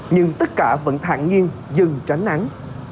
nhưng tất cả vẫn thạng nhiên dừng tránh nắng